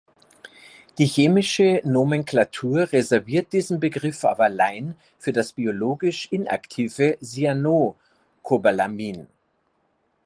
Die chemische Nomenklatur reserviert diesen Begriff aber allein für das biologisch inaktive "Cyano"cobalamin.